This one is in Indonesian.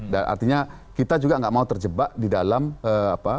dan artinya kita juga nggak mau terjebak di dalam kepanikan yang kita cipta